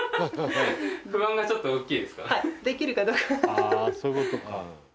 あぁそういうことか。